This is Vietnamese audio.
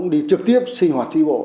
đi trực tiếp sinh hoạt tri bộ